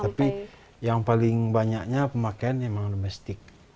tapi yang paling banyaknya pemakaian memang domestik